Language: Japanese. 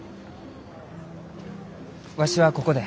わしはここで。